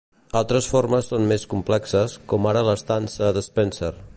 Altres formes són més complexes, com ara l'estança d'Spenser.